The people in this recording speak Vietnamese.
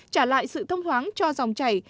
trả lại sự thông thoáng cho dòng chảy